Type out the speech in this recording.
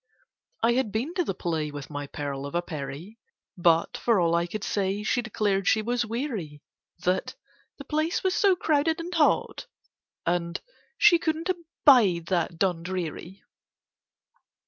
I had been to the play With my pearl of a Peri— But, for all I could say, She declared she was weary, That "the place was so crowded and hot, and she couldn't abide that Dundreary."